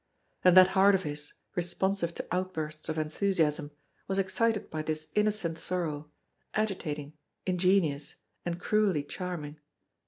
And that heart of his, responsive to outbursts of enthusiasm, was excited by this innocent sorrow, agitating, ingenuous, and cruelly charming.